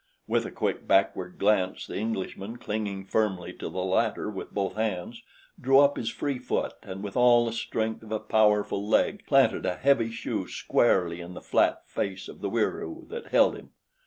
With a quick backward glance the Englishman, clinging firmly to the ladder with both hands, drew up his free foot and with all the strength of a powerful leg, planted a heavy shoe squarely in the flat face of the Wieroo that held him.